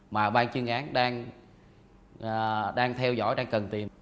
mà ban chuyên án đang theo dõi đang cần tìm